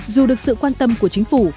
dù được sự quan tâm của chính phủ